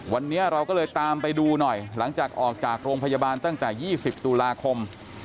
วันนี้เราก็เลยตามไปดูหน่อยหลังจากออกจากโรงพยาบาลตั้งแต่๒๐ตุลาคม